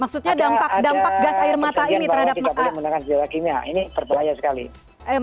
senjata kimia ini dilarang